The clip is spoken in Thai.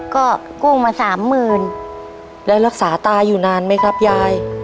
ก็กู้มาสามหมื่นแล้วรักษาตาอยู่นานไหมครับยาย